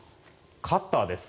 カッターです。